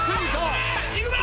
いくぞ！